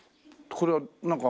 これはなんか？